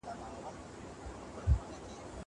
زه هره ورځ کتابونه لولم!!